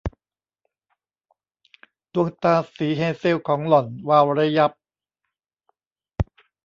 ดวงตาสีเฮเซลของหล่อนวาวระยับ